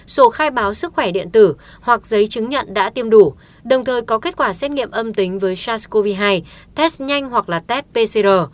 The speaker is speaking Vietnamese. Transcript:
sổ khai báo sức khỏe điện tử hoặc giấy chứng nhận đã tiêm đủ đồng thời có kết quả xét nghiệm âm tính với sars cov hai test nhanh hoặc là test pcr